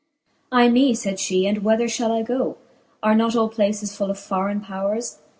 XXIII. Ay me, fayd fhe, and whether fhall I goe ? Are not all places full of forraine powres?